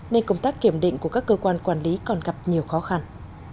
nên công tác kiểm định của các cơ quan quản lý còn gặp nhiều khó khăn